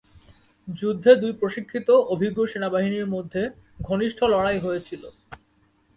যুদ্ধে দুই প্রশিক্ষিত অভিজ্ঞ সেনাবাহিনীর মধ্যে ঘনিষ্ঠ লড়াই হয়েছিল।